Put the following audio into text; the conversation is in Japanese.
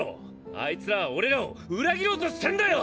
アイツらは俺らを裏切ろうとしてんだよ！